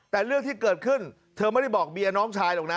แต่เรื่องที่เกิดขึ้นเธอไม่ได้บอกเบียร์น้องชายหรอกนะ